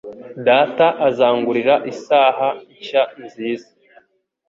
Data azangurira isaha nshya nziza.